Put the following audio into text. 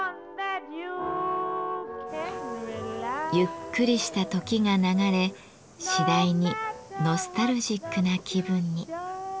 ゆっくりした時が流れ次第にノスタルジックな気分に。